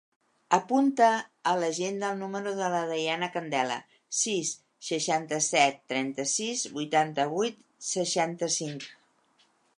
Apunta a l'agenda el número de la Dayana Candela: sis, seixanta-set, trenta-sis, vuitanta-vuit, seixanta-cinc.